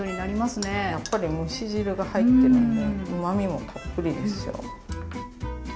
やっぱり蒸し汁が入ってるんでうまみもたっぷりですよ。